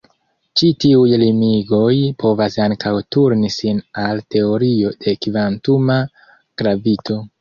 Ĉi tiuj limigoj povas ankaŭ turni sin al teorio de kvantuma gravito.